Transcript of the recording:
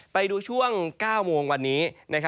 ไปดูช่วง๙โมงวันนี้